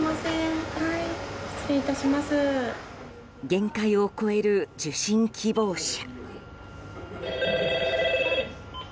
限界を超える受診希望者。